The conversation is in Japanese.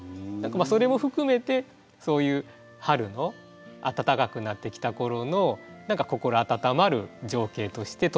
それも含めてそういう春の暖かくなってきた頃の何か心温まる情景として取ってもらえたらなと思います。